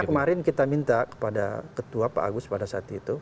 kemarin kita minta kepada ketua pak agus pada saat itu